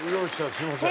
すいません。